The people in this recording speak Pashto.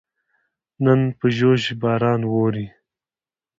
نن په ژوژ باران ووري